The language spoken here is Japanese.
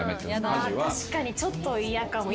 確かにちょっと嫌かも。